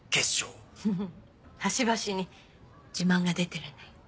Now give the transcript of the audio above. フフっ端々に自慢が出てるね。